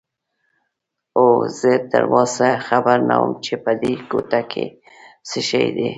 اوه، زه تراوسه خبر نه وم چې په دې کوټه کې څه شی دي.